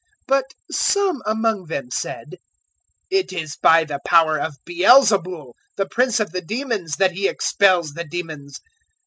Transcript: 011:015 But some among them said, "It is by the power of Baal zebul, the Prince of the demons, that he expels the demons."